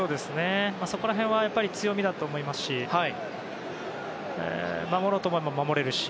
そこら辺は強みだと思いますし守ろうと思えば守れるし。